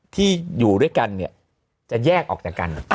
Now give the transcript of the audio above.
ที่อยู่ด้วยกันเนี่ยจะแยกออกจากกัน